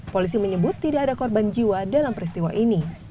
polisi menyebut tidak ada korban jiwa dalam peristiwa ini